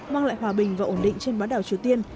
mang lại hòa bình và ổn định trên bán đảo triều tiên